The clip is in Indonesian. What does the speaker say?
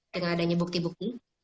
dengan adanya bukti bukti